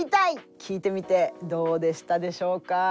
聞いてみてどうでしたでしょうか？